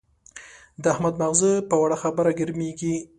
د احمد ماغزه په وړه خبره ګرمېږي.